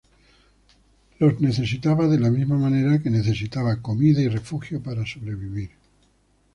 Los necesitaba de la misma manera que necesitaba comida y refugio para sobrevivir.